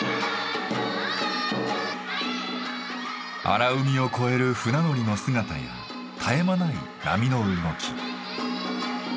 荒海を越える船乗りの姿や絶え間ない波の動き。